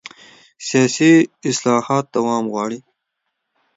سیاسي اصلاحات دوام غواړي